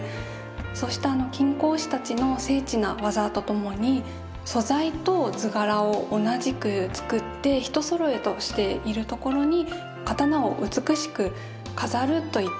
そうした金工師たちの精緻な技と共に素材と図柄を同じく作って一そろえとしているところに刀を美しく飾るといった武士の美意識も感じ取って頂けたらと思います。